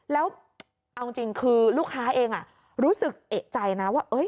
แล้วเอาจริงคือลูกค้าเองรู้สึกเอกใจนะว่า